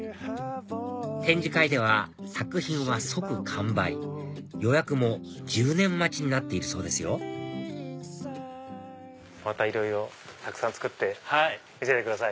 展示会では作品は即完売予約も１０年待ちになっているそうですよまたたくさん見せてください。